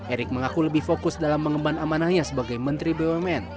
erick mengaku lebih fokus dalam mengemban amanahnya sebagai menteri bumn